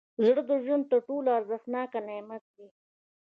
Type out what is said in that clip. زړه د ژوند تر ټولو ارزښتناک نعمت دی.